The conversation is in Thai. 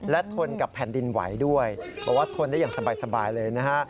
และทนกับแผ่นดินไหวด้วยบอกว่าทนได้อย่างสบายเลยนะฮะ